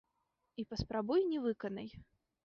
І паспрабуй не выканай!